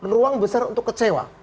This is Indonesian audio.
ruang besar untuk kecewa